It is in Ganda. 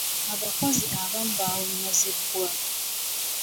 Abakozi abamu baawummuzibwa.